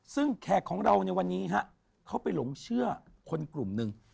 ซึ่งแขกของเราในวันนี้ฮะเขาไปหลงเชื่อคนกลุ่มหนึ่ง